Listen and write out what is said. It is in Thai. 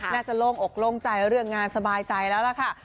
โล่งอกโล่งใจเรื่องงานสบายใจแล้วล่ะค่ะ